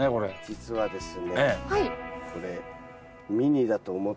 実はですね